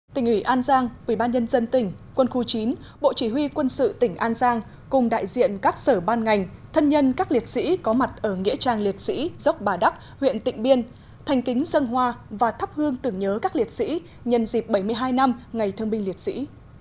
tỉnh ủy an giang ubnd tỉnh quân khu chín bộ chỉ huy quân sự tỉnh an giang cùng đại diện các sở ban ngành thân nhân các liệt sĩ có mặt ở nghĩa trang liệt sĩ dốc bà đắc huyện tịnh biên thành kính dân hoa và thắp hương tưởng nhớ các liệt sĩ nhân dịp bảy mươi hai năm ngày thương binh liệt sĩ